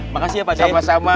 makasih ya pak saya sama sama